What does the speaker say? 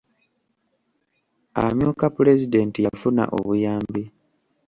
Amyuka pulezidenti yafuna obuyambi.